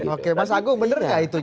oke mas agung bener nggak itu